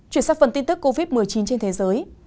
chuyển sang phần tin tức covid một mươi chín trên thế giới